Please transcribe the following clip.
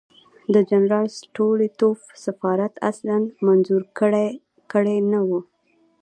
د جنرال سټولیتوف سفارت اصلاً منظور کړی نه وو.